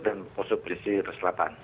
dan posisir selatan